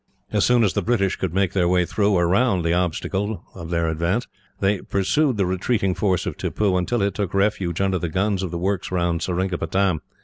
As soon as the British could make their way through, or round, the obstacle to their advance, they pursued the retreating force of Tippoo, until it took refuge under the guns of the works round Seringapatam.